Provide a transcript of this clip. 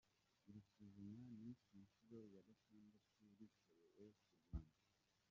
Iri suzuma ni ku nshuro ya gatandatu rikorewe ku Rwanda.